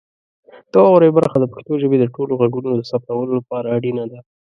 د واورئ برخه د پښتو ژبې د ټولو غږونو د ثبتولو لپاره اړینه ده.